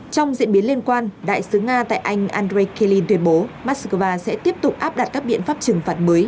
trong diễn biến liên quan đại sứ nga tại anh andrei kalinlin tuyên bố moscow sẽ tiếp tục áp đặt các biện pháp trừng phạt mới